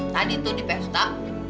tadi tuh di pesta